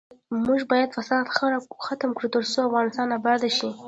موږ باید فساد ختم کړو ، ترڅو افغانستان اباد شي.